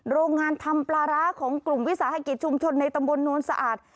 โรงงานทำปลาร้าของกลุ่มวิสาหกิจชุมชนในตำบลโน้นสะอาด